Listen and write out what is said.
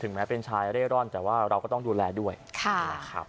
แม้เป็นชายเร่ร่อนแต่ว่าเราก็ต้องดูแลด้วยนะครับ